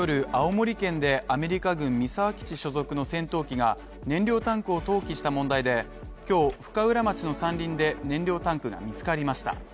おととい夜、青森県でアメリカ軍三沢基地所属の戦闘機が燃料タンクを投棄した問題で、今日、深浦町の山林で、燃料タンクが見つかりました。